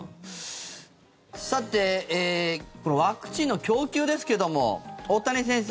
さてこのワクチンの供給ですけども大谷先生